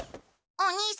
お兄様！